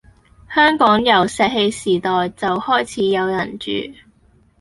香港由石器時代就開始有人住